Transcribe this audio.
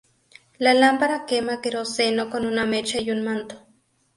La lámpara quema queroseno con una mecha y un manto.